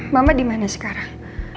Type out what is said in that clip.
mama dimana sekarang